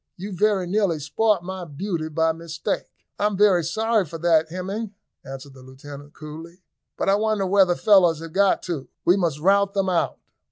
"You very nearly spoilt my beauty by mistake." "I am very sorry for that, Hemming," answered the lieutenant coolly; "but I wonder where the fellows have got to. We must rout them out."